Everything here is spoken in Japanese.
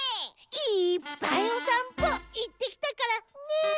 いっぱいおさんぽいってきたからね。